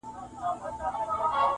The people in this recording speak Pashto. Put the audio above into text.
فقط شکل مو بدل دی د دامونو-